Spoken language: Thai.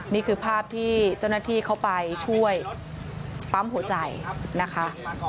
นี่คือภาพที่เจ้าหน้าที่เข้าไปช่วยปั๊มหัวใจนะคะ